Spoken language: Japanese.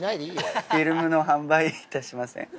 「フイルムの販売いたしません」。